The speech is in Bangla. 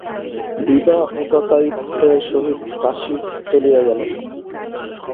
বিভা উদয়াদিত্যের সহিত কাশী চলিয়া গেল।